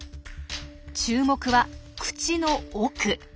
注目は口の奥。